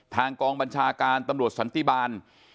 ทางกองบัญชาการตำรวจสันติบาล